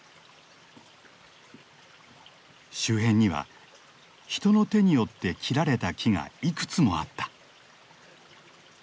周辺には人の手によって切られた木がいくつもあった。